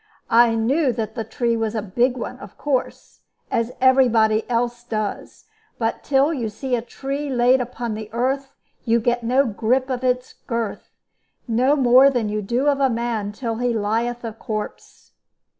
I knew that the tree was a big one, of course, as every body else does; but till you see a tree laid upon earth you get no grip of his girth, no more than you do of a man till he lieth a corpse.